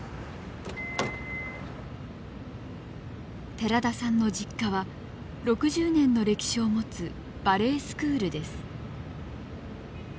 寺田さんの実家は６０年の歴史を持つバレエスクールです。